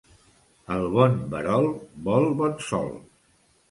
El bon verol vol bon sol.